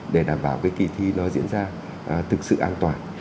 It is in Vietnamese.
để đảm bảo cái kỳ thi nó diễn ra thực sự an toàn